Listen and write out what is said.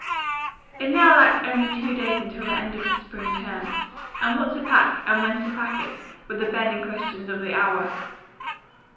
It now lacked only two days until the end of the spring term, and what to pack and when to pack it were the burning questions of the hour.